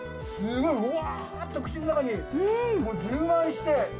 すごいうわーっと口の中にもう充満して。